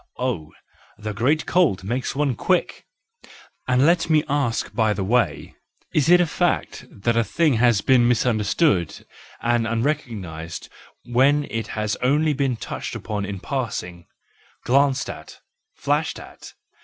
Oh! the great cold makes one quick!—And let me ask by the way: Is it a fact that a thing has been misunderstood and unrecognised when it has only been touched upon in passing, glanced at, flashed at?